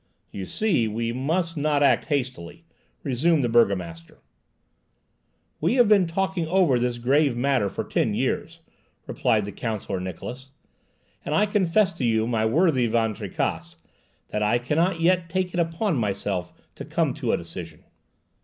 "You see, we must not act hastily," resumed the burgomaster. "We have been talking over this grave matter for ten years," replied the Counsellor Niklausse, "and I confess to you, my worthy Van Tricasse, that I cannot yet take it upon myself to come to a decision."